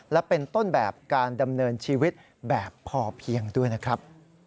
และเป็นต้นแบบการดำเนินชีวิตแบบพอเพียงด้วยนะครับ